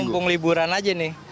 ini mumpung liburan saja nih